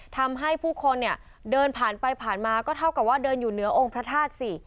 ทำให้ผู้คนเนี่ยเดินผ่านไปผ่านมาก็เท่ากับว่าเดินอยู่เหนือองค์พระธาตุสิ